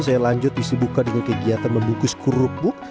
saya lanjut disibukkan dengan kegiatan membukus kerupuk